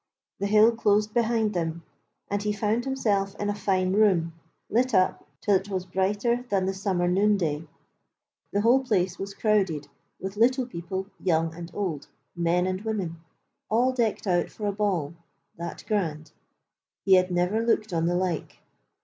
The hill closed behind them and he found himself in a fine room, lit up till it was brighter than the summer noonday. The whole place was crowded with Little People, young and old, men and women, all decked out for a ball, that grand he had never looked on the like.